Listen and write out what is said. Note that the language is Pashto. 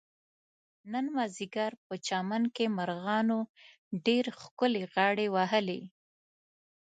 نن مازدیګر په چمن کې مرغانو ډېر ښکلې غاړې وهلې.